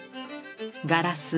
ガラス